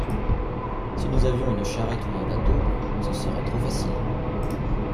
Si nous avions une charrette ou un bateau, ce serait trop facile.